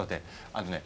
あのね